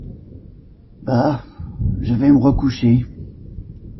Bah ! je vais me recoucher.